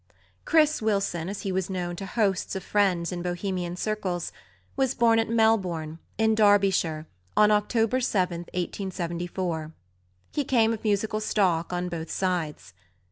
"Chris" Wilson, as he was known to hosts of friends in Bohemian circles, was born at Melbourne, in Derbyshire, on October 7, 1874. He came of musical stock on both sides.